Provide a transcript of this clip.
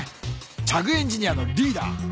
チャグ・エンジニアのリーダー。